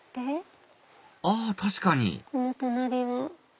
あっ確かにこの隣は。